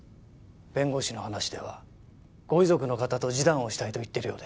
弁護士の話ではご遺族の方と示談をしたいと言っているようです。